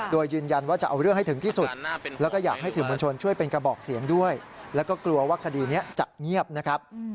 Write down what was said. โดยยืนยันว่าจะเอาเรื่องให้ถึงที่สุดแล้วก็อยากให้สื่อมวลชนช่วยเป็นกระบอกเสียงด้วยแล้วก็กลัวว่าคดีนี้จะเงียบนะครับ